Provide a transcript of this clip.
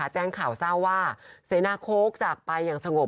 แจ้งข่าวเศร้าว่าเสนาโค้กจากไปอย่างสงบ